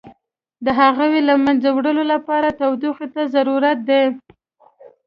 د هغوی له منځه وړلو لپاره تودوخې ته ضرورت دی.